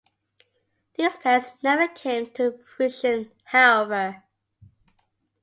These plans never came to fruition, however.